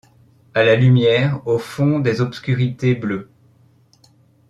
A la lumière, au fond des obscurités bleues